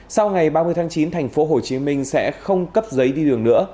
sau ngày ba mươi tháng chín thành phố hồ chí minh sẽ không cấp giấy đi đường nữa